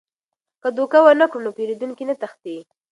که دوکه ونه کړو نو پیرودونکي نه تښتي.